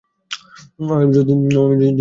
যদি মনে চায়, তা-ই বলো।